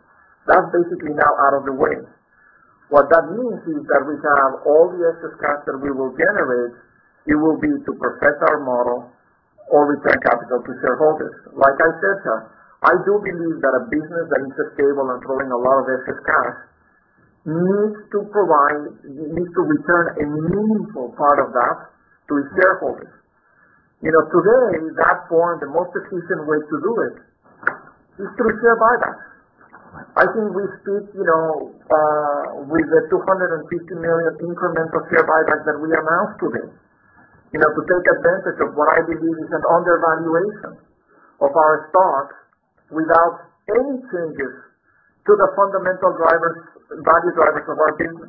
That's basically now out of the way. That means is that we can have all the excess cash that we will generate, it will be to perfect our model or return capital to shareholders. Like I said, Sir, I do believe that a business that is stable and throwing a lot of excess cash needs to return a meaningful part of that to its shareholders. Today, that form, the most efficient way to do it is through share buybacks. I think we speak with the $250 million incremental share buybacks that we announced today, to take advantage of what I believe is an undervaluation of our stock without any changes to the fundamental value drivers of our business.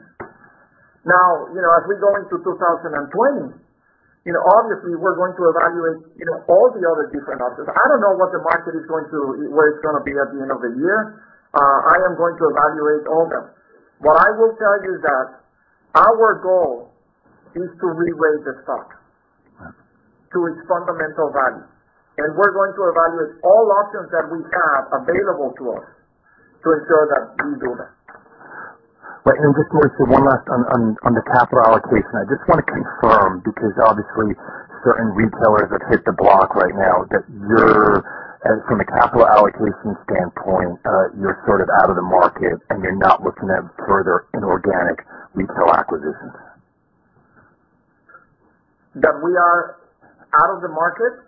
Now, as we go into 2020, obviously, we're going to evaluate all the other different options. I don't know what the market is going to, where it's going to be at the end of the year. I am going to evaluate all them. What I will tell you that our goal is to rerate the stock to its fundamental value, and we're going to evaluate all options that we have available to us to ensure that we do that.
Right. Just, Jorge, one last on the capital allocation. I just want to confirm, because obviously certain retailers have hit the block right now, that from a capital allocation standpoint, you're sort of out of the market, and you're not looking at further inorganic retail acquisitions.
We are out of the market?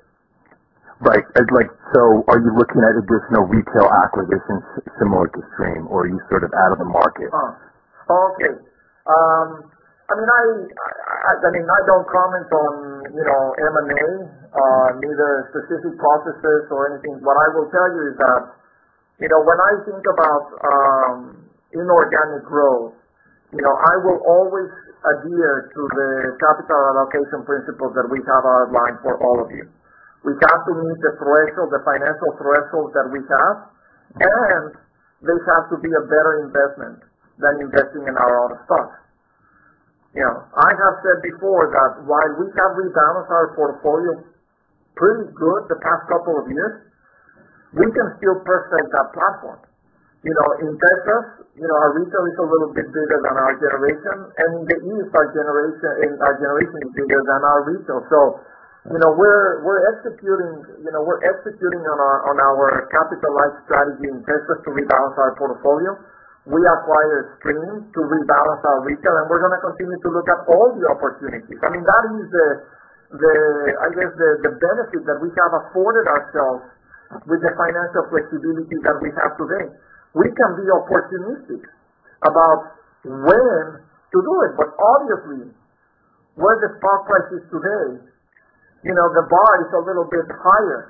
Right. Are you looking at additional retail acquisitions similar to Stream, or are you sort of out of the market?
Oh, okay. I don't comment on M&A, neither specific processes or anything. What I will tell you is that, when I think about inorganic growth, I will always adhere to the capital allocation principles that we have outlined for all of you. We have to meet the financial thresholds that we have, and this has to be a better investment than investing in our own stock. I have said before that while we have rebalanced our portfolio pretty good the past couple of years, we can still perfect that platform. In Texas, our retail is a little bit bigger than our generation, and in the East, our generation is bigger than our retail. We're executing on our capital-light strategy in Texas to rebalance our portfolio. We acquired Stream to rebalance our retail, and we're going to continue to look at all the opportunities. That is the benefit that we have afforded ourselves with the financial flexibility that we have today. We can be opportunistic about when to do it. Obviously, where the stock price is today, the bar is a little bit higher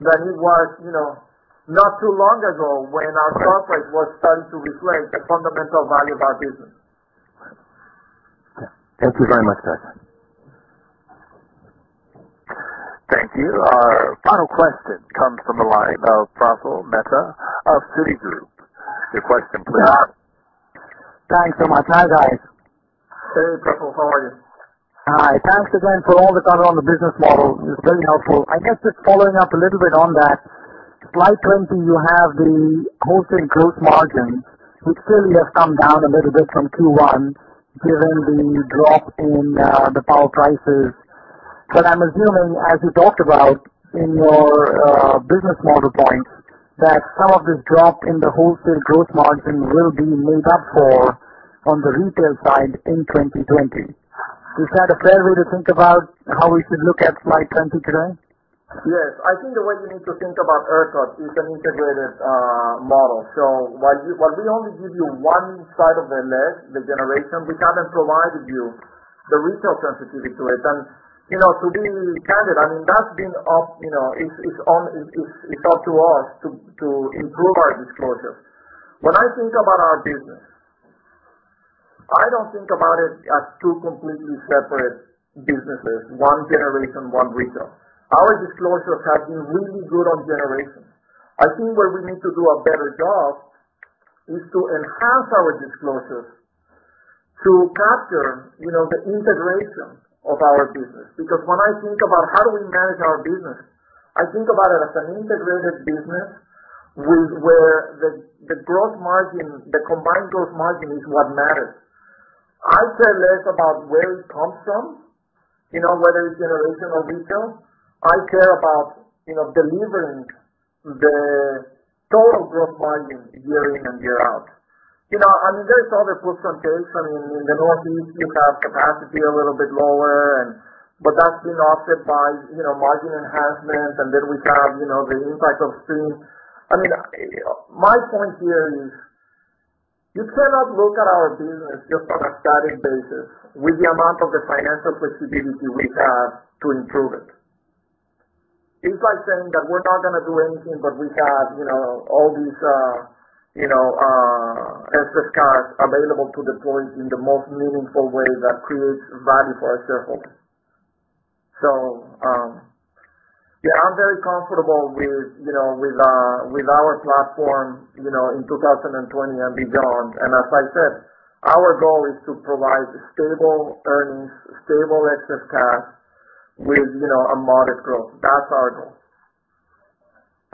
than it was not too long ago when our stock price was starting to reflect the fundamental value of our business.
Thank you very much, Jorge.
Thank you. Our final question comes from the line of Praful Mehta of Citigroup. Your question, please.
Hi.
Thanks so much. Hi, guys.
Hey, Praful, how are you?
Hi. Thanks again for all the color on the business model. It's very helpful. I guess just following up a little bit on that, slide 20, you have the wholesale gross margin, which clearly has come down a little bit from Q1 given the drop in the power prices. I'm assuming, as you talked about in your business model points, that some of this drop in the wholesale gross margin will be made up for on the retail side in 2020. Is that a fair way to think about how we should look at slide 20 today?
Yes, I think the way you need to think about ERCOT is an integrated model. While we only give you one side of the ledge, the generation, we haven't provided you the retail sensitivity to it. To be candid, it's up to us to improve our disclosure. When I think about our business, I don't think about it as two completely separate businesses, one generation, one retail. Our disclosures have been really good on generation. I think where we need to do a better job is to enhance our disclosures to capture the integration of our business. When I think about how do we manage our business, I think about it as an integrated business, where the combined gross margin is what matters. I care less about where it comes from, whether it's generation or retail. I care about delivering the total gross margin year in and year out. There's other puts on takes. In the Northeast, you have capacity a little bit lower, but that's been offset by margin enhancements, and then we have the impact of Stream. My point here is you cannot look at our business just on a static basis with the amount of the financial flexibility we have to improve it. It's like saying that we're not going to do anything, but we have all these excess cash available to deploy in the most meaningful way that creates value for our shareholders. Yeah, I'm very comfortable with our platform in 2020 and beyond. As I said, our goal is to provide stable earnings, stable excess cash with a modest growth. That's our goal.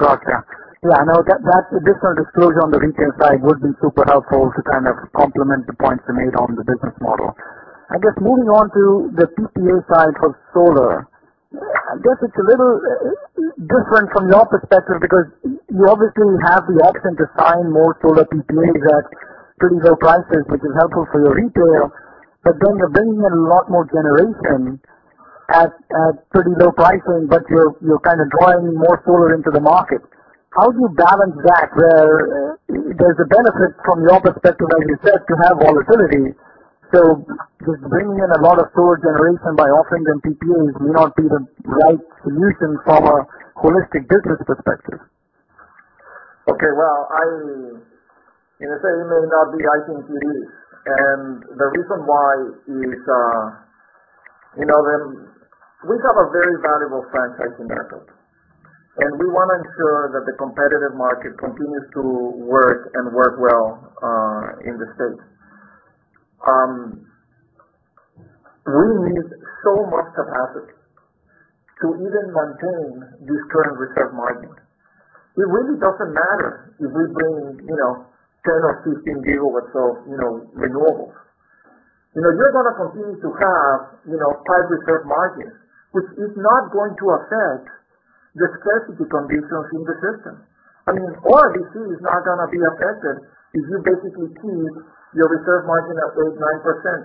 Got you. I know that additional disclosure on the retail side would be super helpful to kind of complement the points you made on the business model. Moving on to the PPA side for solar. It's a little different from your perspective because you obviously have the option to sign more solar PPAs at pretty low prices, which is helpful for your retail, but then you're bringing in a lot more generation at pretty low pricing, but you're kind of drawing more solar into the market. How do you balance that where there's a benefit from your perspective, as you said, to have volatility? Just bringing in a lot of solar generation by offering them PPAs may not be the right solution from a holistic business perspective.
Okay, well, you say it may not be IPP. The reason why is we have a very valuable franchise in ERCOT, and we want to ensure that the competitive market continues to work and work well in the U.S. We need so much capacity to even maintain this current reserve margin. It really doesn't matter if we bring 10 GW or 15 GW of renewables. You're going to continue to have high reserve margins, which is not going to affect the scarcity conditions in the system. I mean, ORDC is not going to be affected if you basically keep your reserve margin at 8%,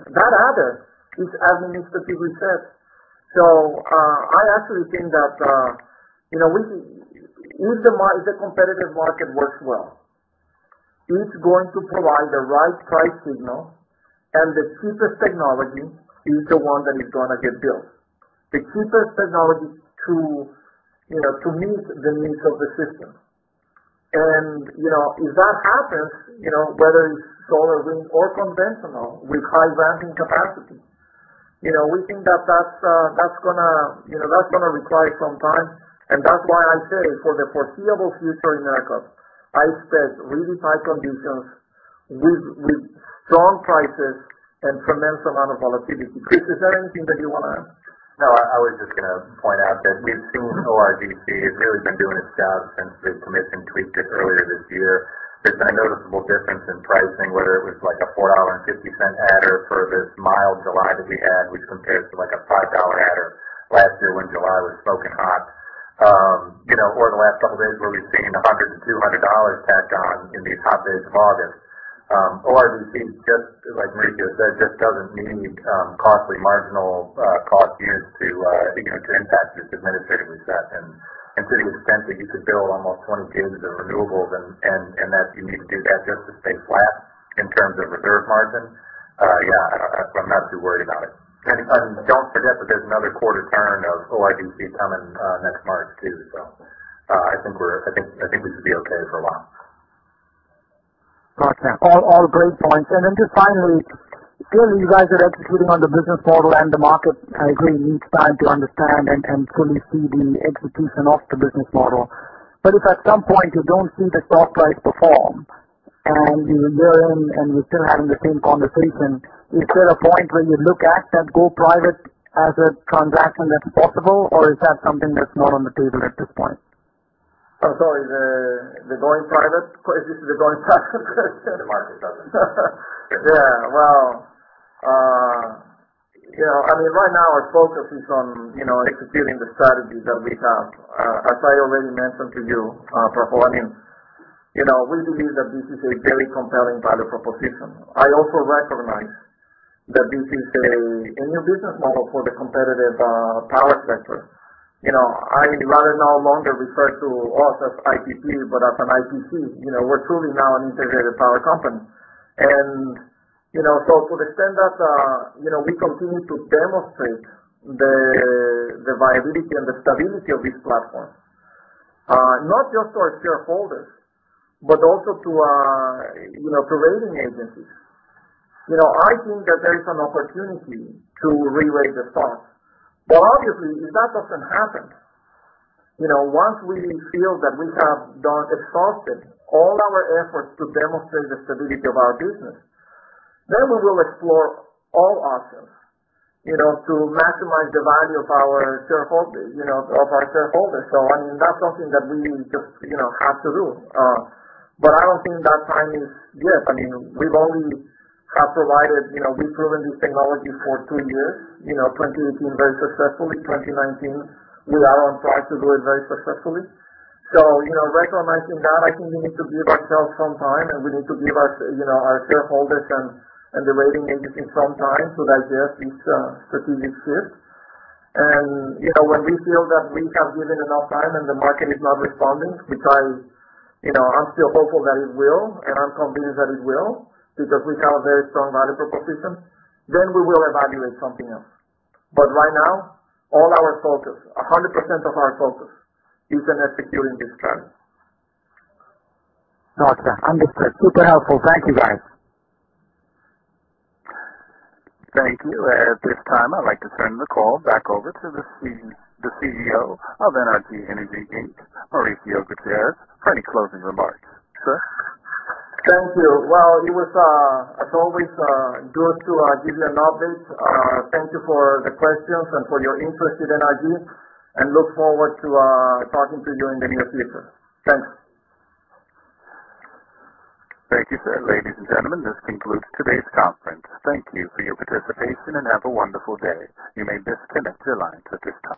9%. That adder is administratively set. I actually think that if the competitive market works well, it's going to provide the right price signal, and the cheapest technology is the one that is going to get built. The cheapest technology to meet the needs of the system. If that happens, whether it's solar, wind, or conventional with high ramping capacity, we think that that's going to require some time. That's why I say, for the foreseeable future in ERCOT, I expect really tight conditions with strong prices and tremendous amount of volatility. Chris, is there anything that you want to add?
No, I was just going to point out that we've seen ORDC. It's really been doing its job since the commission tweaked it earlier this year. There's been a noticeable difference in pricing, whether it was like a $4.50 adder for this mild July that we had, which compared to like a $5 adder last year when July was smoking hot. The last couple of days where we've seen $100-$200 tacked on in these hot days of August. ORDC just, like Mauricio said, just doesn't need costly marginal cost units to impact this administrative reset. To the extent that you could build almost 20 gigs of renewables and that you need to do that just to stay flat in terms of reserve margin. Yeah, I'm not too worried about it. Don't forget that there's another quarter turn of ORDC coming next March, too. I think we should be okay for a while.
Got you. All great points. Just finally, clearly you guys are executing on the business model and the market, I agree, needs time to understand and fully see the execution of the business model. If at some point you don't see the stock price perform, and we're still having the same conversation, is there a point where you look at that go-private transaction that's possible, or is that something that's not on the table at this point?
Oh, sorry. The going private? Is this the going private question?
If the market doesn't.
Well, I mean, right now our focus is on executing the strategies that we have. As I already mentioned to you, Praful, I mean, we believe that this is a very compelling value proposition. I also recognize that this is a new business model for the competitive power sector. I no longer refer to us as IPP, but as an IPC. We're truly now an integrated power company. To the extent that we continue to demonstrate the viability and the stability of this platform, not just to our shareholders, but also to rating agencies, I think that there is an opportunity to rerate the stock. Obviously, if that doesn't happen, once we feel that we have exhausted all our efforts to demonstrate the stability of our business, then we will explore all options to maximize the value of our shareholders. I mean, that's something that we just have to do. I don't think that time is yet. I mean, we've proven this technology for two years. 2018 very successfully, 2019 with our own track record very successfully. Recognizing that, I think we need to give ourselves some time, and we need to give our shareholders and the rating agencies some time to digest this strategic shift. When we feel that we have given enough time and the market is not responding, which I'm still hopeful that it will, and I'm convinced that it will, because we have a very strong value proposition, then we will evaluate something else. Right now, all our focus, 100% of our focus is in executing this strategy.
Got you. Understood. Super helpful. Thank you, guys.
Thank you. At this time, I'd like to turn the call back over to the CEO of NRG Energy, Inc., Mauricio Gutierrez, for any closing remarks. Sir?
Thank you. Well, it was, as always, a joy to give you an update. Thank you for the questions and for your interest in NRG, and look forward to talking to you in the near future. Thanks.
Thank you, sir. Ladies and gentlemen, this concludes today's conference. Thank you for your participation, and have a wonderful day. You may disconnect your lines at this time.